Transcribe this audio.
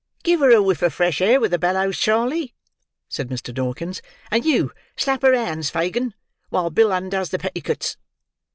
"Give her a whiff of fresh air with the bellows, Charley," said Mr. Dawkins; "and you slap her hands, Fagin, while Bill undoes the petticuts."